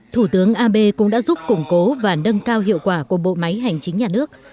thủ tướng abe cũng đã giúp củng cố và nâng cao hiệu quả của bộ máy hành chính nhà nước